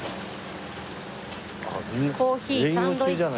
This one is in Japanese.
コーヒーサンドイッチ。